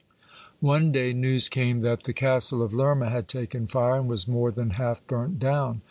One day news came that the castle of Lerma had taken fire, and was more thin half burnt down.